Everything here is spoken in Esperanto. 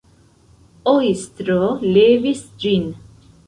Ojstro levis ĝin.